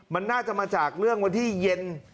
มันน่าจะมาจากเรื่องวันที่เย็น